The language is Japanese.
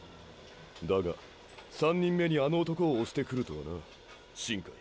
だが３人目にあの男を推してくるとはな新開。